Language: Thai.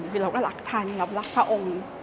คือเราก็รักท่านเรารักพระองค์